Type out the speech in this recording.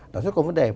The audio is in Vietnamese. nó rất có vấn đề